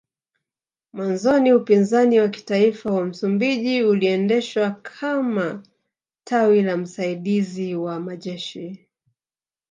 Mwanzoni Upinzani wa Kitaifa wa Msumbiji uliendeshwa kama kama tawi la msaidiziwa majeshi